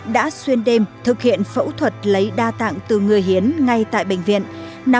đã xuyên đêm thực hiện phẫu thuật lấy đa tạng từ người hiến ngay tại bệnh viện